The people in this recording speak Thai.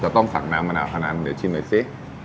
ต้องสักน้ำมะนาวเท่านั้นเดี๋ยวชิมหน่อยสิ